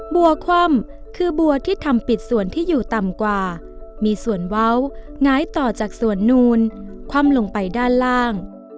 บัวคว่ำคือบัวที่ทำปิดส่วนที่อยู่ต่ำกว่ามีส่วนเว้าหงายต่อจากส่วนนูนคว่ำลงไปด้านล่าง